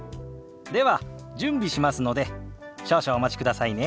では準備しますので少々お待ちくださいね。